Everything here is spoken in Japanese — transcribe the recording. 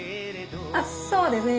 あっそうですね。